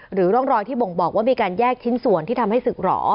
หรือร่องรอยที่บ่งบอกว่ามีการแยกชิ้นส่วนที่ทำให้ศึกหรอ